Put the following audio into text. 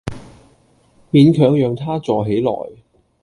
勉強讓她坐起來